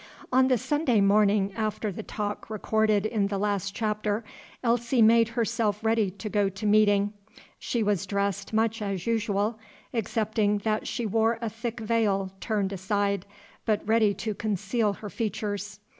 On the Sunday morning after the talk recorded in the last chapter, Elsie made herself ready to go to meeting. She was dressed much as usual, excepting that she wore a thick veil, turned aside, but ready to conceal her features.